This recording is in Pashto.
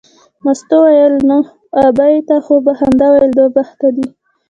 مستو وویل نو ابۍ تا خو به همدا ویل دوه بخته دی.